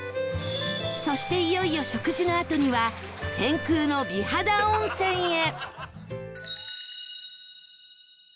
そしていよいよ食事のあとには天空の美肌温泉へ